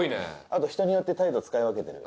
あと人によって態度使い分けてる。